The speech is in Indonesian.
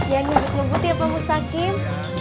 ya nih mbak bukti apa mustaqim